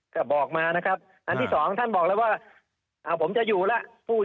ก็บอกมานะครับอันที่สองท่านบอกแล้วว่าผมจะอยู่แล้ว